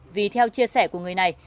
vì theo chia sẻ của người này